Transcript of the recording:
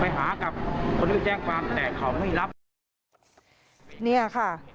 ไปหากับคนหนึ่งแจ้งความคันแหน่ก่อนที่เขาไม่รับ